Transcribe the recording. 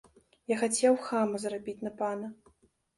Я хацеў хама зрабіць на пана.